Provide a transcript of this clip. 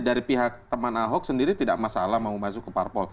dari pihak teman ahok sendiri tidak masalah mau masuk ke parpol